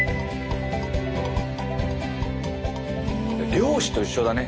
漁師と一緒だね